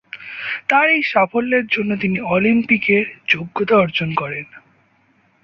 তার এই সাফল্যের জন্য তিনি অলিম্পিকের যোগ্যতা অর্জন করেন।